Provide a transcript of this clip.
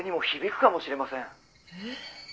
えっ。